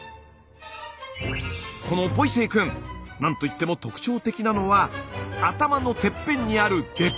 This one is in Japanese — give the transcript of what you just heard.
このボイセイくんなんといっても特徴的なのは頭のてっぺんにある出っ張り！